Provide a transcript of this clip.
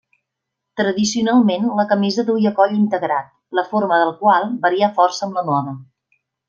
Tradicionalment la camisa duia coll integrat, la forma del qual varià força amb la moda.